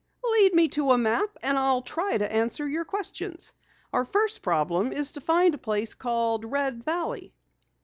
"Lead me to a map and I'll try to answer your questions. Our first problem is to find a place called Red Valley."